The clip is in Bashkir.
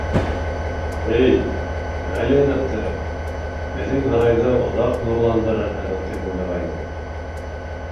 — Эй, ғали йәнәптәре, беҙҙең һарайҙы оҙаҡ нурландырырһығыҙ тип уйлағайным.